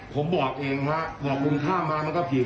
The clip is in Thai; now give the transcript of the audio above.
ผมบอกเองฮะบอกคุณข้ามมามันก็ผิด